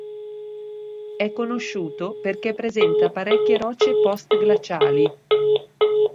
È conosciuto perché presenta parecchie rocce post-glaciali.